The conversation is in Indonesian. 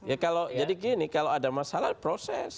ya kalau jadi gini kalau ada masalah proses